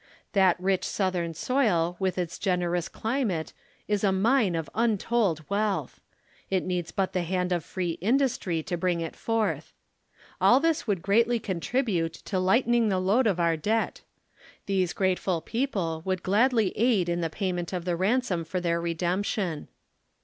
That rich southern soil with its generous cli mate, is a mine of untold wealth. It needs but the hand of free industry to bring it forth. All this would greatly 19 contribute to lightening the load of our debt. These grateful people would gladly aid in the payment of the ransom for their redemption.